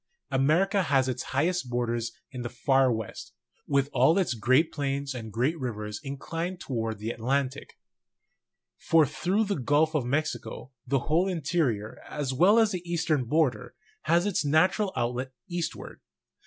America has its highest border in the far west, with all its great plains and great rivers inclined toward the Atlantic; for through the Gulf of Mexico the whole interior, as well as the eastern border, has its natural outlet eastward.